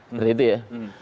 seperti itu ya